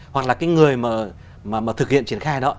hoặc là cái người mà thực hiện triển khai đó